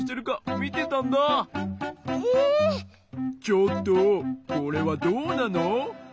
ちょっとこれはどうなの？